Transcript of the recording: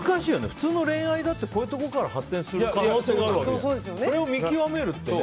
普通の恋愛だってこういうところから発展する可能性があるからそれを見極めるってね。